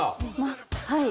はい。